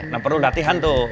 nah perlu latihan tuh